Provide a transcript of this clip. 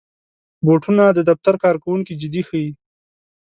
بوټونه د دفتر کارکوونکي جدي ښيي.